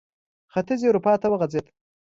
ختیځې اروپا ته وغځېد.